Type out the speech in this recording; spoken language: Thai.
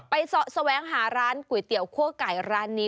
แสวงหาร้านก๋วยเตี๋ยวคั่วไก่ร้านนี้